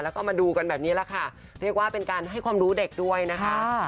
แล้วก็มาดูกันแบบนี้แหละค่ะเรียกว่าเป็นการให้ความรู้เด็กด้วยนะคะ